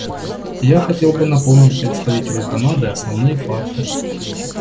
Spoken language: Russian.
Я хотел бы напомнить представителю Канады основные факты.